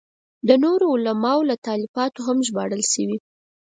د نورو علماوو له تالیفاتو هم ژباړل شوي.